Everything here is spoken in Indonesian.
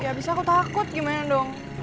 ya bisa aku takut gimana dong